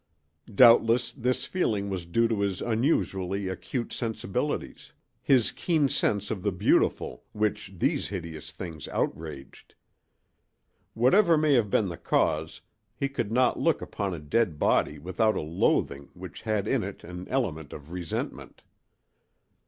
Doubtless this feeling was due to his unusually acute sensibilities—his keen sense of the beautiful, which these hideous things outraged. Whatever may have been the cause, he could not look upon a dead body without a loathing which had in it an element of resentment.